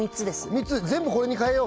３つ全部これにかえよう